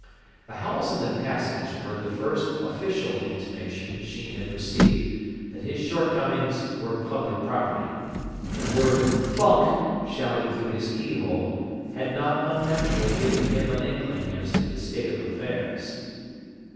The howls in the passage were the first official intimation Sheen had received that his shortcomings were public property. The word "Funk!" shouted through his keyhole, had not unnaturally given him an inkling as to the state of affairs.